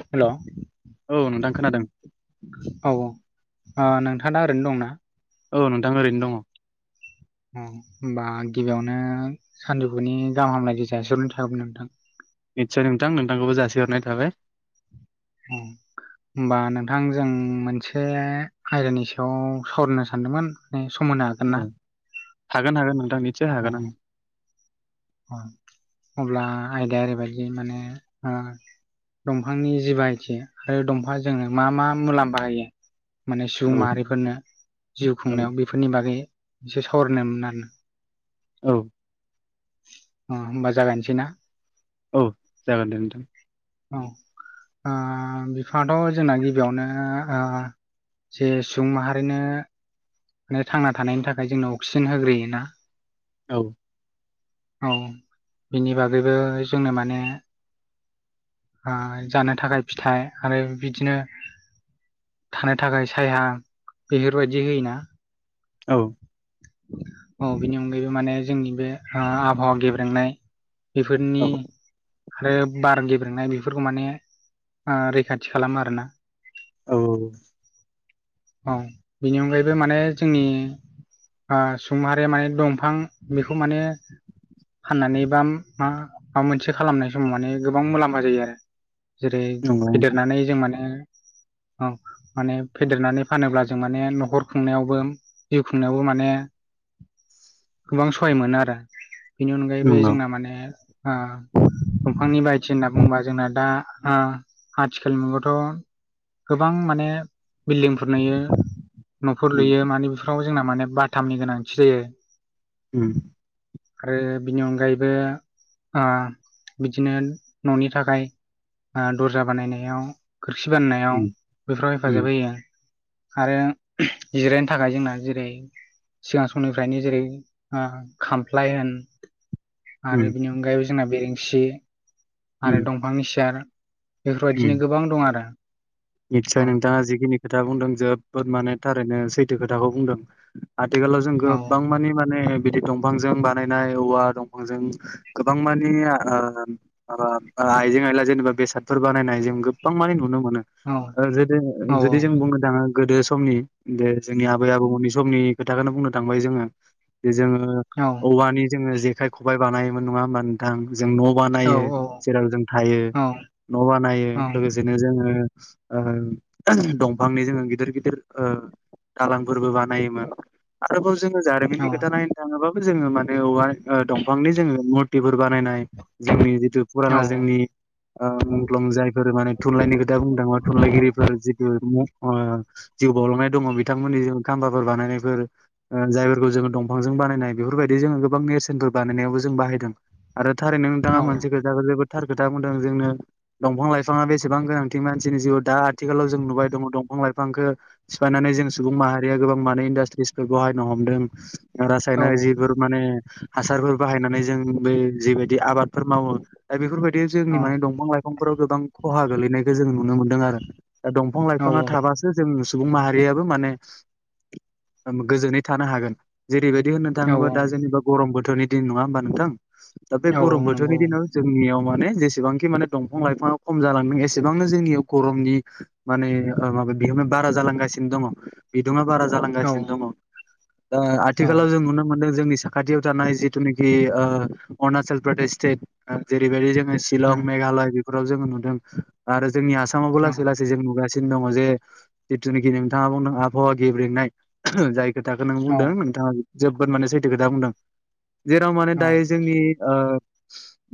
हेल'। औ नोंथां खोनादों। औ ओ नोंथाङा दा ओरैनो दं ना? औ नोंथां ओरैनो दंङ। अ होमबा गिबियावनो सानजौफुनि गाहाम हामलाय नाय जासिहरनाय थाबाय नोंथां। निस्सय नोंथां नोंथांखौबो जासिहरनाय थाबाय। उम होमबा नोंथां जों मोनसे आयदानि सायाव सावरानो सानदोंमोन नै सम होनो हागोन ना? औ हागोन हागोन औ। औ उम अब्ला आयदाया ओरैबायदि माने ओ दंफांनि जि बाहाय थि आरो दंफाङा जोंनो मा मा मुलाम्फा होायो माने सुबुं औ माहारिफोरनो जिउ औ खुंनायाव बेफोरनि बागै एसे सावरायनायमोन आरोना औ अ होमबा जागायनोसै ना? औ जागोन दे नोंथां। औ ओ बिफाङाथ जोंना गिबियावनो जे सुबुं माहारिनो माने थांना थानायनि थाखाय जोंनो अक्सिजेन होग्रोयोना औ औ बिनि बागैबो जोंनो माने ओ जानो थाखाय फिथाइ आरो बिदिनो थानो थाखाय साया बेफोरबायदि होयोना। औ औ बेनि अनगायैबो माने जोंनि बे आबहावा गेब्रेंनाय बेफोरनि औ आरो बार गेब्रेंनाय बेफोरखौ माने रैखाथि खालामो आरोना। औ औ औ बेनि अनगायैबो माने जोंनि ओ सुबुंमाहारि माने दंफां बेखौ माने फाननानै बा मा माबा मोनसे खालामनाय समाव माने गोबां मुलाम्फा जायो आरो। जेरै नंगौ नोंथां फेदेरनानै जों माने औ माने फेदेरनानै फानोब्ला जों माने नखर खुंनायावबो जिउ खुंनायावबो माने गोबां सहाय मोनो आरो। बेनि अनगायैबो नंगौ जोंना माने ओ दंफांनि बाहायथि होनना बुंङोबा जोंना दा ओ आथिखाल मुगायावथ'गोबां माने बिल्डिंफोर लुयो, न'फोर उम लुयो मानि बे फोर जोंना माने बाथामनि गोनांथि जायो। उम आरो बिनि अनगायैबो ओ बिदिनो न'नि थाखाय ओ दर्जा बानायनायाव खोरखि बाननायाव उम बेफोराव हेफाजाब उम होयो आरो जिरायनो थाखाय जोंना जेरै-सिगां समनिफ्रायनो जेरै ओ खामफ्लाय होन आरो उम बेनि अनगायैबो जोंना बेरेंसि आरो उम दंफांनि सियार बेफोरबायदिनो गोबां दं आरो नितसय नोंथाङा जिखिनि खोथा बुंदों जोबोद माने थारैनो सैथो खोथाखौ बुंदों। आथिखालाव जों औ गोबां मानि माने बिदि दंफांजों बानायनाय औवा दंफांजों गोबां मानि ओ आ आ आइजें-आइला जेनेबा बेसादफोर बानायनाय जों गोबां माने नुनो मोनो। औ ओ जुदि औ जुदि जों बुंनो थाङो गोदो समनि बे जोंनि आबै-आबौमोननि समनि खोथाखोनो बुंनो थांबाय जोङो जे जोङो औ औवानि जोङो जेखाय-खबाइ बानायोमोन। नङा होमबा नोथां? जों न' औ बानायो जेराव जों थायो औ न' बानायो लोगोसेनो जोङो ओ दंफांनि जोङो गिदिर-गिदिर ओ दालांफोरबो बानायोमोन आरोबाव जोङो औ जारिमिननि खोथा नायनो थाङोबाबो जोङो माने‌ औवा ओ दंफांनि जोङो मुरथिफोर बानायनाय जोंनि जिथु फुराना जोंनि ओ मुंख्लं जायफोर माने थुनलाइनि खोथा बुंनो थाङोबा थुनलाइगिरिफोर जिथु म ओ ओ जिउ बावलांनाय दङ बिथांमोननि जों खाम्फाफोर बानायनायफोर ओ जायफोरखौ जोङो दंफांजों बानायनाय बेफोरबायदि जोङो गोबां नेरसोनफोर बानायनायावबो जों बाहायदों। आरो थारैनो औ नोंथाङा मोनसे खोथाखौ जोबोद थार खोथा बुंदों जोंनो दंफां-लाइफाङा बेसेबां गोनांथि मानसिनि जिउ दा आथिखालाव जों नुबाय दङ दंफां-लाइफांखो सिफायनानै जों सुबुं माहारिया गोबां माने इन्दास्ट्रिसफोर बहायनो हमदों। रासायनारि जिफोर माने हासारफोर बाहायनानै जों बे जिबायदि आबादफोर मावो दा बेफोरबायदि जोंनि माने दंफां-लाइफांफोराव गोबां खहा गोलैनाय खो जों नुनो मोनदों आरो। दा औ दंफां-लाइफांआ थाबासो जों सुबुं माहारियाबो माने गोजोनै थानो हागोन। जेरैबाय दि होननो औ थाङोबा दा जेनबा गरम बोथोरनि दिन, नङा होमबा नोंथां? दा बे औ गरम बोथोरनि नंगौ दिनाव जोंनियाव माने जेसेबांखि माने दंफां-लाइफाङाव खम जालांदों एसे बांनो जोंनियाव गरमनि माने ओ माबा बिहोमाया बारा जालांगासिनो दङ। बिदुङा बारा औ जालांगासिनो दङ दा औ आथिखालाव जों नुनो मोनदों जोंनि साखाथि थानाय जिथुनोखि ओ अरुनाचल प्रदेश स्टेट ओ जेरैबायदि‌ जों औ शिंलं, मेघालय बेफोराव जोङो नुदों आरो जोंनि आसामावबो औ लासै लासै जों नुगासि‌ नो दङ जे जिथुनिखि नोंथाङा बुंदों आबहावा गेब्रेंनाय जाय खोथाखो नों औ बुंदों, नोंथाङा जोबोद माने सैथो खोथा बुंदों। जेराव माने औ दायो औ जोंनि ओ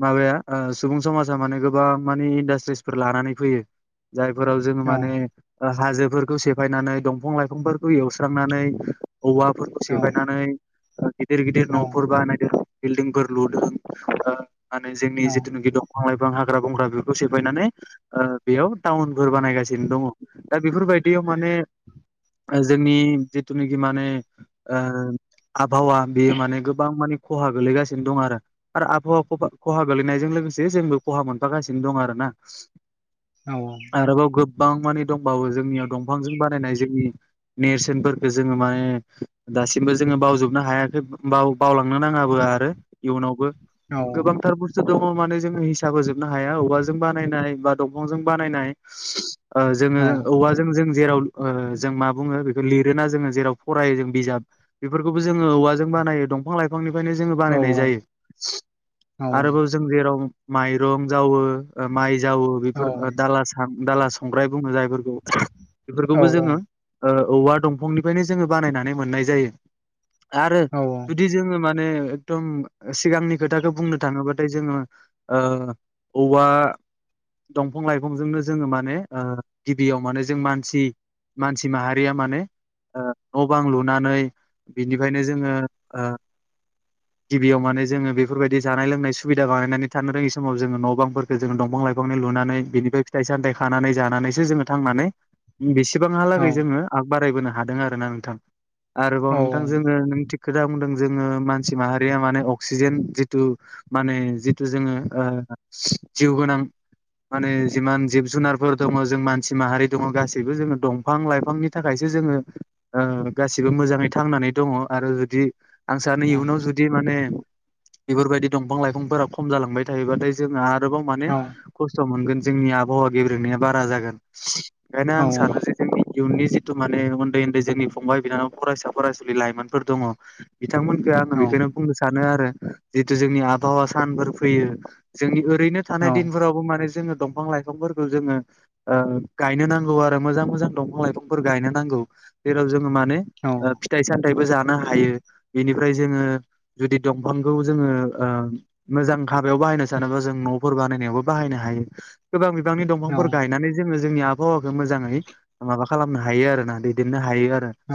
माबाया ओ सुबुं समाजा माने गोबां माने इन्डास्ट्रिसफोर लानानै फैयो जायफोराव जोङो माने हाजोफोरखौ सेफायनानै, दंफां-लाइफंफोरखौ एवस्रांनानै, औवाफोरखौ सेफायनानै गिदिर गिदिर न'फोर बानायदों बिल्डिंफोर लुदों ओ‌ माने जोंनि जिथुनाखि दंफां-लाइफां, हाग्रा-बंग्रा बेफोरखौ सेफायनानै ओ बेयाव टाउनफोर बानायगासिनो दङ। दा बेफोरबायदियाव माने जोंनि जिथुनिखि माने ओ आबहावा बेयो माने गोबां मानि खहा गोलैगासिनो दं आरो। आरो‌ आबहावाखौ खहा गोलैनायजों लोगोसे जोंबो खहा मोनफागासिनो दं आरो ना। आरोबाव गो गोबां मानि दंबाबो जोंनियाव दंफांजों बानायनाय जोंनि नेरसोनफोरखौ जोङो माने दासिमबो जोङो बावजोबनो हायाखै बाव बावलांनो नाङाबो आरो इयुनावबो। गोबांथार बुस्थु दङ माने जोङो हिसाब होजोबनो हाया औवाजों बानायनाय बा दंफांजों बानायनाय ओ जोङो औवाजों जों जेराव ओ जों मा बुङो बेखौ लिरोना जोङो जेराव फरायो जों बिजाब बेफोरखौबो जों जोङो औवाजों बानायो दंफां लाइफांनिफ्रायनो जोङो बानायनाय जायो। औ आरोबाव जों जेराव माइरं जावो, माइ जावो औ बेफोर औ दाला सा दाला संग्राय बुङो जायफोरखौ औ बेफोरखौबो जोङो ओ औवा दंफांनिफ्रायनो जोङो बानायनानै मोननाय जायो आरो औ जुदि जोङो माने एकदम सिगांनि खोथाखौ बुंनो थाङोबाथाय जोङो ओ औवा दंफां लाइफांजोंनो जोङो माने गिबियाव माने जों मानसि मानसि माहारिया माने ओ न' बां लुनानै बिनिफ्रायनो जोङो ओ गिबियाव माने जोङो बेफोरबायदि जानाय लोंनाय सुबिदा बानायनानै थानो रोङि समाव जोङो न' बांफोरखौ जोङो दंफां लाइ फांनि लुनानै बिनिफ्राय फिथाय सामथाइ खानानै जानानैसो जोङो थांनानै बि औ बेसेबांहालागै जोङो आग बारायबोनो हादों आरो ना नोंथां। ‌आरोबाव औ नोंथां जोङो थिग खोथा बुंदों जोङो मानसि माहारिया माने अक्सिजेन जिथु माने जिथु जोङो ओ जिउ गोनां माने जिमान जिब जुनारफोर दङ जों मानसि माहारि दङ गासैबो जोङो दंफां लाइफांनि थाखाय थाखायसो जोङो ओ गासिबो मोजाङै थांनानै दङ आरो जुदि आं सानो औ इयुनाव जुदि माने बेफोरबायदि दंफां लाइफांफोरा खम जालांबाय थायोबाथाय जोंहा आरोबाव माने खस्थ' मोनगोन जोंनि आबहावा गेब्रेंनाया बारा जागोन ओंखायनो औ आं सानो जे जोंनि इयुननि जिथु माने उन्दै उन्दै जोंनि फंबाय बिनानाव फरायसा फरायसुलि लाइमोनफोर दङ बि बिथांमोनखौ आङो औ बेखायनो बुंनो सानो आरो जिहतु जोंनि आबहावा सानफोर फैयो जोंनि ओरैनो थानाय दिन माने जोङो दंफां लाइफांफोरखौ जोङो ओ गायनो नांगौ आरो मोजां मोजां दंफां लाइफांफोर गायनो नांगौ जेराव जों माने फिथाय सामथायबो जा नो हायो बेनिफ्राय जोङो जुदि दंफांखौ जोङो मोजां हाबायाव बाहायनो सानोबा जों नफोर बानायनायावबो बाहायनो हायो गोबां बिबांनि दंफांफोर गायनानै जोङो जोंनि आबहावाखौ मोजाङै माबा खालामनो हायो आरो ना दैदेननो हायो। हायो आरो औ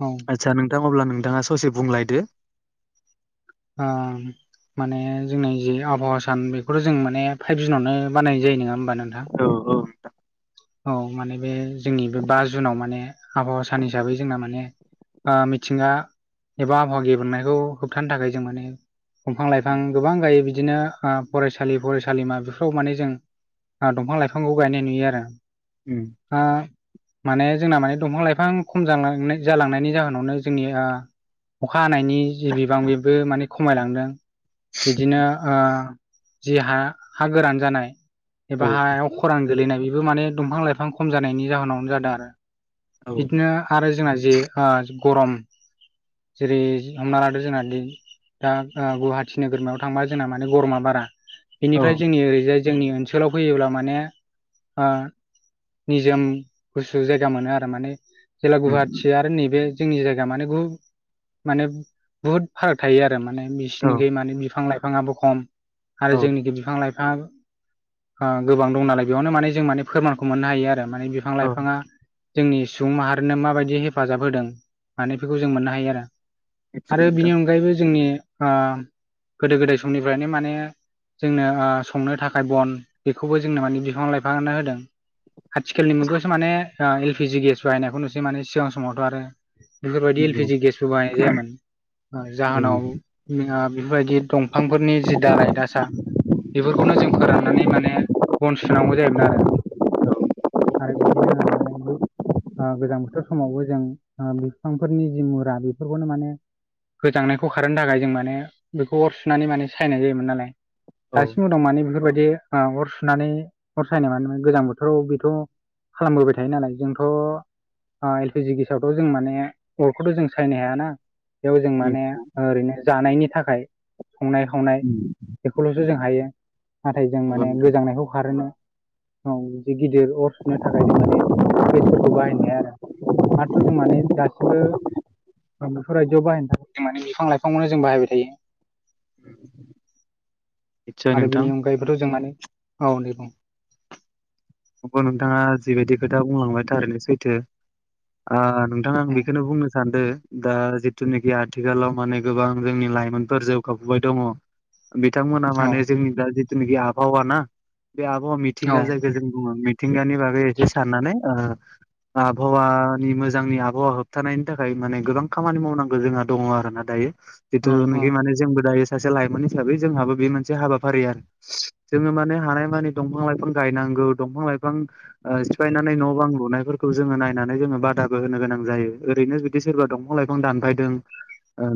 औ आथचा नोंथां अब्ला नोंथाङा ससे बुंलायदो ओ माने जोंनि जे आबहावा सान बेखौथ' जों माने फाइभ जुनावनो बानायनाय जायो। नङा होमबा? नोंथां औ औ औ माने बे जोंनि बे बा जुनाव माने आबहावा सान हिसाबै जोंना माने ओ मिथिंगा एबा आबहावा गेब्रेंनायखौ होबथानो थाखाय जों माने दंफां-लाइफां गोबां गायो बिदिनो ओ फरायसालि, फरायसालिमा बेफोराव माने जों ओ दंफां-लाइफांखौ गायनाय नुयो आरो उम ओ माने जोंना माने दंफां-लाइफां खम जांलां जालांनायनि जाहोनावनो जोंनि ओ अखा हानायनि जि बिबां बेबो माने खमायलांदों बिदिनो ओ जि हा, हा गोरान जानाय उम औ एबा हायाव खरान गोलैनाय बेबो माने दंफां लाइफां खम जानायनि जाहोनावनो जादों आरो। औ बिदिनो आरो जोंना जे गरम जेरै हमना लादो जोंना दा गुवाहाटि नोगोरमायाव थांबा जोंना माने गरमा बारा औ बेनिफ्राय जोंनि ओरैजाय जोंनि ओनसोलाव फैयोब्ला माने ओ निजोम गुसु जायगा मोनो आरो माने जेला उम गुवाहाटि आरो नैबे जोंनि जायगा माने बुहु माने बुहुद फाराग थायो आरो माने औ बिसोरनिखै माने बिफां लाइफांङाबो खम आरो औ जोंनिथिं बिफां लाइ फाङा बो ओ गोबां दं नालाय बेयावनो माने जों माने फोरमानखौ मोननो हायो आरो माने बिफां औ लाइफाङा जोंनि सुबुं माहारिनो माबायदि हेफाजाब होदों माने बेफोरखौ जों मोननो हायो आरो निसय आरो बिनि नोंथां अनगायैबो जोंनि ओ गोदो गोदाय समनिफ्रायनो माने जोंनो संनो थाखाय बन बेखौबो जोंनो माने बिफां लाइफाङानो होदों आथिखालनि मुगायावसो माने एलपिजि गेस बाहायनायखौ नुसै माने सिगां समावथ आरो बेफोरबायदि नंगौ एलपिजि गेसबो बाहायनाय जायामोन ओ औ जाहोनाव नोंथां बेफोरबायदि ओ दंफांफोरनि जि दालाय दासा बेफोरखौनो जों फोराननानै माने बन सुनांगौ जायोमोन आरो आरो बिदिनो हाननानैबो ओ गोजां बोथोर समावबो जों बिफांफोरनि जि मुरा बेफोरखौनो माने गोजांनायखौ खारनो थाखाय जों माने बेखौ अर सुनानै माने सायनाय जायोमोन नालाय औ दासिमबो दं माने बेफोर बाय दि अर सुनानै अर सायनाय माने गोजां बोथोराव बेथ' खालामबोबाय थायो नालाय जों थ एलपिजि गेसावथ जों माने अरखौथ जों सायनो हायाना बेयाव जों माने नंगौ ओरैनो जानायनि थाखाय संनाय खावनाय बेखौलसो जों हायो नाथाय जों माने नोंथां गोजांनायखौ खारोनो औ बिदि गिदिर अर सुनो थाखाय जों माने गेसफोरखौ बाहायनो हाया आरो माथ जों माने गासिबो बेफोर बायदियाव बाहायनो थाखाय माने बिफां लाइफांखौनो जों बाहायबाय थायो निसय आरो नोंथां बिनि अनगायैबोथ जों माने औ दे बुं अ नोंथाङा जिबायदि खोथा बुंलांबाय थारैनो सैथो ओ नोंथाङ आं बेखौनो बुंनो सान्दों दा जिथुनोखि आथिखालाव माने गोबां जोंनि लाइमोनफोर जौगाबोबाय दङ बिथांमोना औ माने जोंनि दा जिथुनोखि आबहावा ना बे आबहावा औ मिथिंगा जायखौ जों बुङो मिथिं गानि बागै एसे साननानै ओ [inaudible] आबहावानि मोजांनि आबहावा होबथानायनि थाखाय माने गोबां खामानि मावनांगौ जोंहा दङ आरो ना दायो औ औ जिथुनोखि माने जोंबो दायो सासे लाइमोन हिसाबै जोंहाबो बे मोनसे हाबाफारि आरो जोङो माने हानाय मानि दंफां लाइफां गायनांगौ दंफां लाइफां ओ सिफायनानै न' बां लुनायफोरखौ जोङो नायनानै जोङो बादाबो होनो गोनां जायो ओैरैनो बिदि सोरबा दंफां लाइफां दानफायदों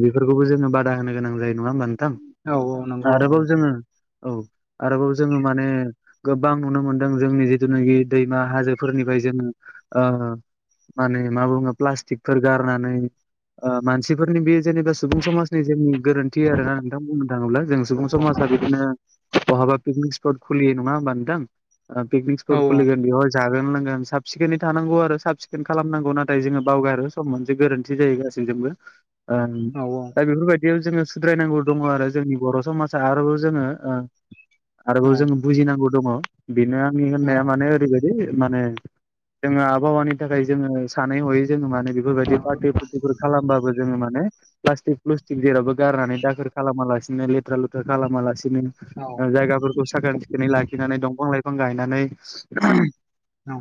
बेफोरखौबो जोङो बादा होनो गोनां जायो नङा होमबा नोथां औ औ नंगौ औ आरोबाव जोङो औ आरोबाव जोङो माने गोबां नुनो मोन दों जोंनि जिथुनाखि दैमा हाजोफोरनिफ्राय जोङो ओ माने मा बुङो प्लास्टिकफोर गारनानै ओ मानसिफोरनि बे जेनेबा सुबुं समाज नि जोंनि गोरोन्थि आरो ना नोंथां बुंनो थाङोब्ला जों सुबुं समाजा बिदिनो बहाबा पिकनिक स्प खुलियो नङा होनबा नोंथां ओ पिकनिक औ स्पट खुलिगोन बेयावहाय जागो गोन लोंगोन साब सिखोनै थानांगौ आरो साब सिखोन खालामनांगौ नाथाय जोङो बावगारो सम मोनसे गोरोन्थि जाहैगासिनो बो ओ औ दा बेफोरबायदियाव जोङो सुद्रायनांगौ दङ आरो जोंनि बर समाजा आरोबाव जोङो ओ औ आरोबाव जों बुजिनांगौ दङ बेनो आंनि औ होननाया माने ओरैबाय दि माने जोङो आबहावानि थाखाय जोङो सानै हयै जोङो माने बेफोरबायदि प्लास्टिक पुस्टिकफोर खालामबाबो जोङो माने प्लास्टिक प्लुस्टिक जेरावबो गारनानै दाखोर खालामालासिनो लेथ्रा लुथ्रा खालामा लासिनो बिनो जायगाफोरखौ साखोन सिखोनै लाखिनानै दंफां लाइफां गायनानै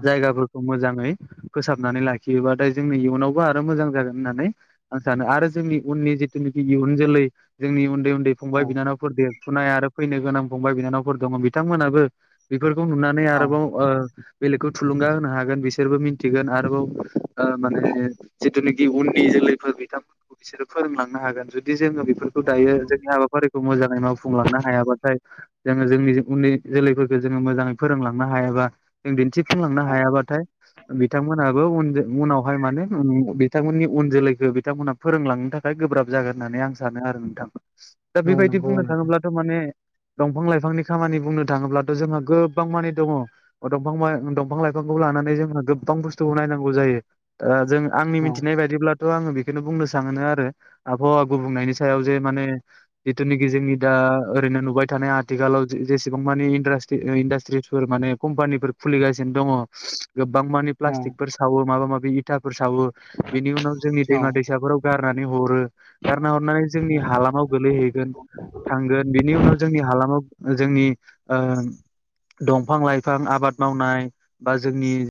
जायगाफोरखौ मोजाङै फोसाबनानै लाखियोबाथाय जोंनि इयुनावबो आरो मोजां जागोन होननानै आं सानो आरो जोंनि उननि जिथुनाखि इयुन जोलै जोंनि उन्दै उन्दै फंबाय औ बिनानावफोर देरफुनाय आरो फैनो गोनां फंबाय बिनानावफोर दङ बिथांमोनाबो बेफोरखौ नुनानै आरोबाव ओ बेलेगखौ थुलुंगा होनो हागोन बिसोरबो मिथिगोन आरोबाव माने जिथुनाखि उननि जोलैफोर बिथांमोनखौ बिसोरो फोरोंलांनो हागोन जुदि जोङो बेफोरखौ दायो जोंनि हाबाफारिखौ मोजाङै मावफुंलांनो हायाबाथाय जोङो जोंनि उन्दै जोलैफोरखौ जोङो मोजाङै फोरोंलांनो हायाबा जों दिन्थि सुफुंलांनो औ हायाबाथाय बिथांमोनाबो उन उनावहाय माने बिथांमोननि उन जोलैखौ बिथांमोनहा फोरोंलांनो थाखाय गोब्राब जागोन होननानै आं सानो आरो नोंथां दा औ बेबायदि नंगौ बुंनो नोंथां थाङोब्लाथ' माने दंफां लाइफांनि खामानि बुंनो थाङोब्ला जोंहा गोबां मानि दङ दं दंफां लाइफांखौ लानानै जोंहा गोबां बुस्थुखौ नायनांगौ जायो बे जों आंनि औ मिथिनाय बायदिब्लाथ' आङो बेखौनो बुंनो सानो आरो आबहावा गुबुंनायनि सायाव जे माने जिथुनाखि जोंनि दा ओरैनो नुबाय थानाय आथिखालाव जेसेबां मानि इन्दास इनडास्ट्रिसफोर माने कम्पानिफोर खुलिगासिनो दङ गोबां मानि औ प्लास्टिकफोर सावो माबा माबि इथा फोर सावो बेनि उनाव जोंनि दैमा औ दैसाफोराव गारनानै हरो गारना हरनानै जोंनि औ हालामाव गोलैहैगोन थांगोन बिनि उनाव जोंनि हालामाव जोंनि ओ दंफां लाइफां आबाद मावनाय बा जोंनि